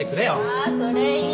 ああそれいい！